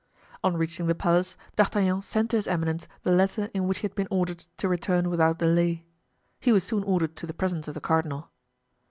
On reaching the palace, D'Artagnan sent to his eminence the letter in which he had been ordered to return without delay. He was soon ordered to the presence of the cardinal.